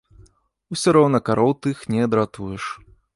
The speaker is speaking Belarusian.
Усё роўна кароў тых не адратуеш.